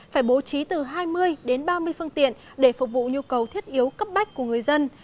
phải bố trí từ hai mươi đến ba mươi phương tiện để phục vụ nhu cầu thiết yếu cấp bách của người dân